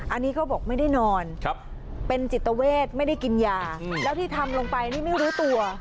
อันนี้เขาบอกไม่ได้นอนเป็นจิตเวทไม่ได้กินยาแล้วที่ทำลงไปนี่ไม่รู้ตัว